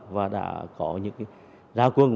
và đã có những cái ra quân